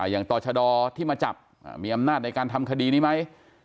อย่างต่อชะดอที่มาจับมีอำนาจในการทำคดีนี้ไหม